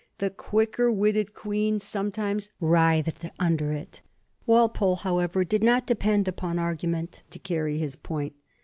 The qnicker witted Queen sometimes writhed under it. Walpole, however, did not depend upon argument to carry his point.